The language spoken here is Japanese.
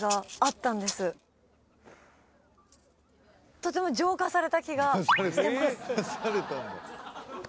とても浄化された気がしてます